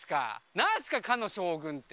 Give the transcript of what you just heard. なんすか、かの将軍って。